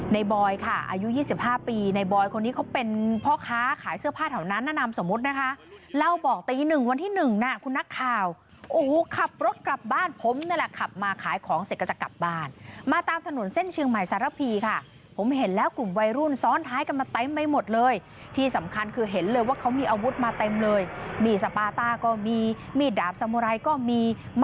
ในบอยค่ะอายุยี่สิบห้าปีในบอยคนนี้เขาเป็นพ่อค้าขายเสื้อผ้าแถวนั้นน่านำสมมตินะคะเราบอกตีหนึ่งวันที่หนึ่งน่ะคุณนักข่าวโอ้โหขับรถกลับบ้านผมนั่นแหละขับมาขายของเสร็จก็จะกลับบ้านมาตามถนนเส้นเชียงใหม่สารพีค่ะผมเห็นแล้วกลุ่มวัยรุ่นซ้อนท้ายกันมาเต้มไปหมดเลยที่สำคัญคือเห็นเลยว่าเขามี